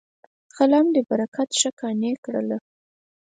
د قلم دې برکت شه قانع ګله.